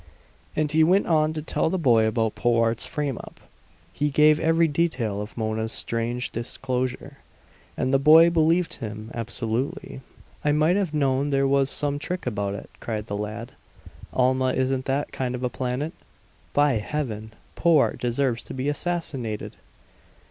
And he went on to tell the boy about Powart's frame up. He gave every detail of Mona's strange disclosure, and the boy believed him absolutely. "I might have known there was some trick about it!" cried the lad. "Alma isn't that kind of a planet! By Heaven, Powart deserves to be assassinated!"